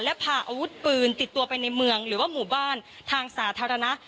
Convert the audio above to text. และพาอาวุธปืนติดตัวไปในเมืองหรือว่าหมู่บ้านทางสาธารณะ